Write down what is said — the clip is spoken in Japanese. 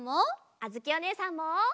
あづきおねえさんも！